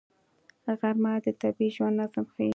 غرمه د طبیعي ژوند نظم ښيي